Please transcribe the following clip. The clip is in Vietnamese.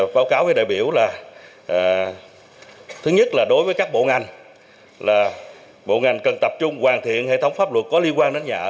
báo cáo với đại biểu là thứ nhất là đối với các bộ ngành là bộ ngành cần tập trung hoàn thiện hệ thống pháp luật có liên quan đến nhà ở